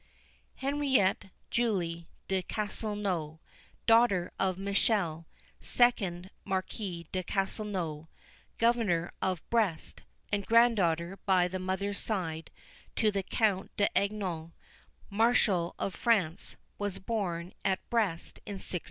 HENRIETTE JULIE DE CASTELNEAU, daughter of Michel, second Marquis de Castelnau, Governor of Brest, and granddaughter by the mother's side, to the Count d'Angnon, Marshal of France, was born at Brest in 1670.